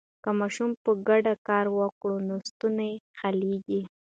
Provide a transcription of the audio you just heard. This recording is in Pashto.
که موږ په ګډه کار وکړو نو ستونزې حلیږي.